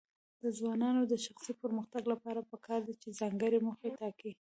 د ځوانانو د شخصي پرمختګ لپاره پکار ده چې ځانګړي موخې ټاکي.